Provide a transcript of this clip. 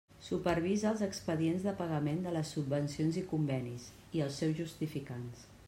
Supervisa els expedients de pagament de les subvencions i convenis i els seus justificants.